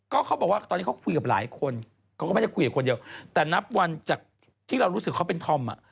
ก็เขาบอกว่าตอนนี้เขาคุยกับหลายคนเขาก็ไม่ได้คุยกับคนเดียวแต่นับวันจากที่เรารู้สึกเขาเป็นธอมอ่ะ